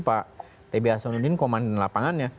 pak tb hasanuddin komandan lapangannya